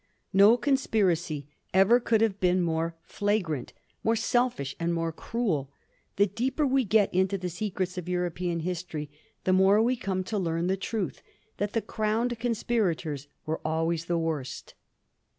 No con spiracy ever could have been more flagrant^ more selfish, and more cruel. The deeper we get into the secrets of European history, the more we come to learn the truth that the crowned conspirators were always the worst.